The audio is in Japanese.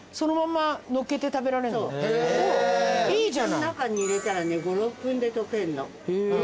お水の中に入れたらね５６分でとけるの。